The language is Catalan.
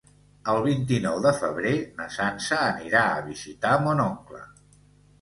El vint-i-nou de febrer na Sança anirà a visitar mon oncle.